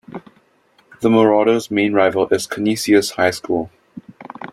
The Marauders' main rival is Canisius High School.